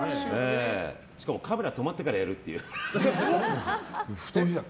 しかもカメラ止まってからやるっていう。